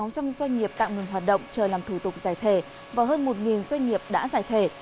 sáu trăm linh doanh nghiệp tạm ngừng hoạt động chờ làm thủ tục giải thể và hơn một doanh nghiệp đã giải thể